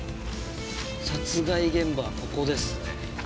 殺害現場はここですね。